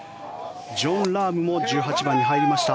ジョン・ラームも１８番に入りました。